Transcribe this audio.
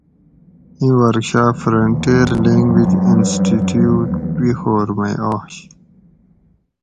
ایں ورکشاپ فرنٹیٔر لینگویج انسٹی ٹیوٹ پیخور مئ آش